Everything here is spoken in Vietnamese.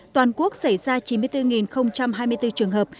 toàn quốc xảy ra chín mươi bốn hai mươi bốn trường hợp